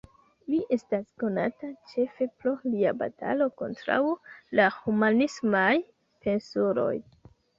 Li estas konata ĉefe pro lia batalo kontraŭ la humanismaj pensuloj.